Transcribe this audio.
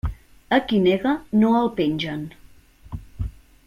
A qui nega no el pengen.